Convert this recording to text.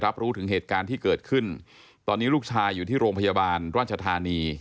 รู้ถึงเหตุการณ์ที่เกิดขึ้นตอนนี้ลูกชายอยู่ที่โรงพยาบาลราชธานี